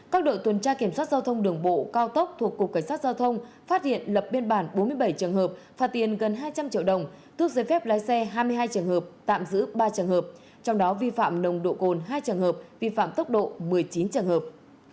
các đội tuần tra kiểm soát giao thông đường bộ cao tốc thuộc cục cảnh sát giao thông phát hiện lập biên bản bốn mươi bảy trường hợp phạt tiền gần hai trăm linh triệu đồng tước giới phép lái xe hai mươi hai trường hợp tạm giữ ba trường hợp trong đó vi phạm nồng độ cồn hai trường hợp vi phạm tốc độ một mươi chín trường hợp